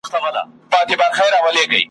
غرڅه ولاړی د ځنګله پر خوا روان سو !.